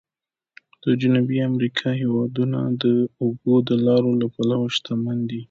د جنوبي امریکا هېوادونه د اوبو د لارو له پلوه شمن دي.